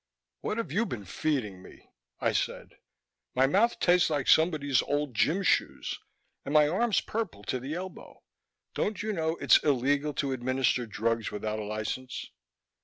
"What have you been feeding me?" I said. "My mouth tastes like somebody's old gym shoes and my arm's purple to the elbow. Don't you know it's illegal to administer drugs without a license?"